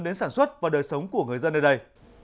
đến sản xuất và đời sống của người dân ở đây